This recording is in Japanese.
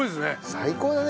最高だね。